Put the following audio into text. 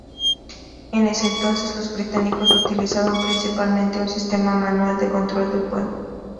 En ese entonces, los británicos utilizaban principalmente un sistema manual de control de fuego.